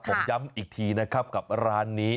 ผมย้ำอีกทีนะครับกับร้านนี้